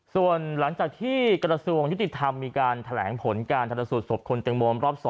ส่วนหลังจากที่กระทรวงยุติธรรมมีการแถลงผลการทันสูตศพคุณตังโมรอบ๒